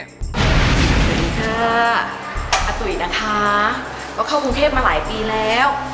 สวัสดีค่ะอาตุ๋ยนะคะก็เข้ากรุงเทพมาหลายปีแล้ว